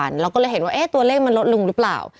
เราเห็นว่าตัวเลขมันลดลงรึเปล่า